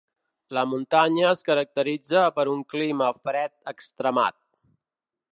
La muntanya es caracteritza per un clima fred extremat.